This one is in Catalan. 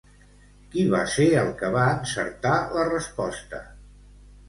Qui va ser el que va encertar la resposta?